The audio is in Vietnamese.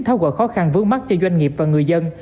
tháo gỡ khó khăn vướng mắt cho doanh nghiệp và người dân